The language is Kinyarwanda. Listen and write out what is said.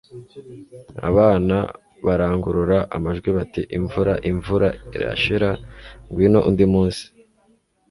Abana barangurura amajwi bati: "Imvura, imvura irashira. Ngwino undi munsi."